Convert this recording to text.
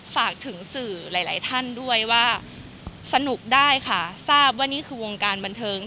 ฝากถึงสื่อหลายหลายท่านด้วยว่าสนุกได้ค่ะทราบว่านี่คือวงการบันเทิง